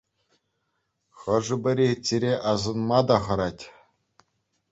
Хӑшӗ-пӗри чире асӑнма та хӑрать.